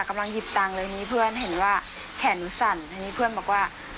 กำลังหยิบตังค์เลยมีเพื่อนเห็นว่าแขนหนูสั่นทีนี้เพื่อนบอกว่า